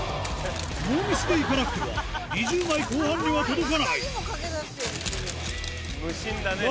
ノーミスでいかなくては２０枚後半には届かない無心だね。